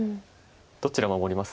どちら守ります？